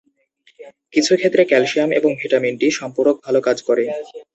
কিছু ক্ষেত্রে ক্যালসিয়াম এবং ভিটামিন ডি সম্পূরক ভাল কাজ করে।